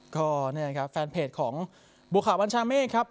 ก็เนี่ยครับแฟนเพจของบัวขาวบัญชาเมฆครับ